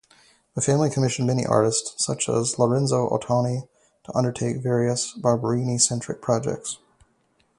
The family commissioned many artists, such as Lorenzo Ottoni, to undertake various Barberini-centric projects.